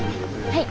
はい。